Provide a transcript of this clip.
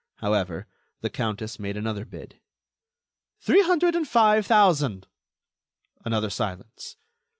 However, the countess made another bid: "Three hundred and five thousand." Another silence.